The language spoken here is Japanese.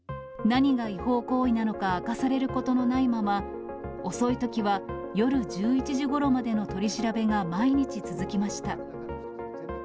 何が違法行為なのか明かされることのないまま、遅いときは夜１１時ごろまでの取り調べが毎日続きました。